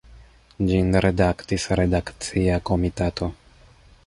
Ĝin redaktis redakcia komitato.